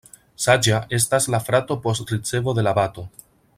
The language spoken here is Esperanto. Saĝa estas la frato post ricevo de la bato.